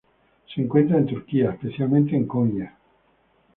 Se encuentra en Turquía, especialmente en Konya.